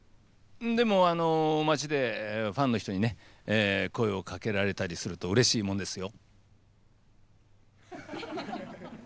でも街でファンの人にね声をかけられたりするとうれしいもんですよ。